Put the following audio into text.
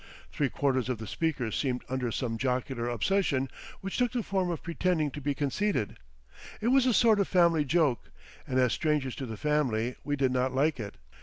Three quarters of the speakers seemed under some jocular obsession which took the form of pretending to be conceited. It was a sort of family joke, and as strangers to the family we did not like it....